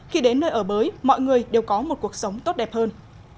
khi đến nơi ở mới mọi người đều có một cuộc sống tốt đẹp hơn